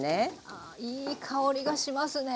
あいい香りがしますね。